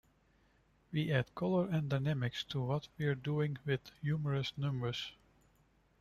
We add color and dynamics to what we're doing with humorous numbers.